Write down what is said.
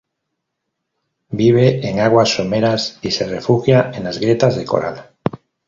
Vive en aguas someras y se refugia en las grietas de coral.